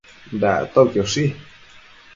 Dactoquioshi